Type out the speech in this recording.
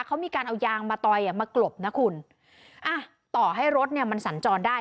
เขามีการเอายางมาต่อยอ่ะมากลบนะคุณอ่ะต่อให้รถเนี้ยมันสัญจรได้